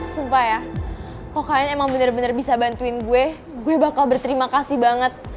sumpah ya pokoknya emang bener bener bisa bantuin gue gue bakal berterima kasih banget